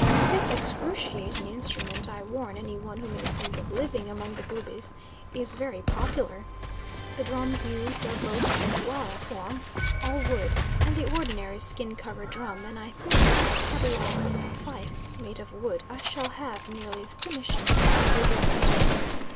This excruciating instrument, I warn any one who may think of living among the Bubis, is very popular. The drums used are both the Dualla form all wood and the ordinary skin covered drum, and I think if I catalogue fifes made of wood, I shall have nearly finished the Bubi orchestra.